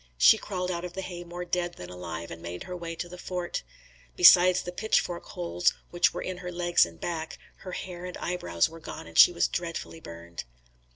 She crawled out of the hay more dead than alive and made her way to the fort. Besides the pitchfork holes which were in her legs and back, her hair and eyebrows were gone and she was dreadfully burned.